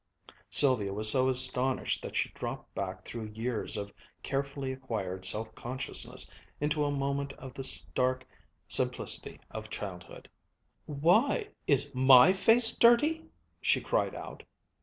Sylvia was so astonished that she dropped back through years of carefully acquired self consciousness into a moment of the stark simplicity of childhood. "Why is my face dirty?" she cried out.